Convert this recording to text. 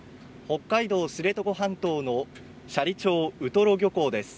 北海道知床半島の斜里町ウトロ漁港です。